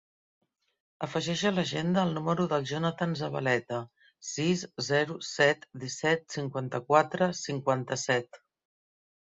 Afegeix a l'agenda el número del Jonathan Zabaleta: sis, zero, set, disset, cinquanta-quatre, cinquanta-set.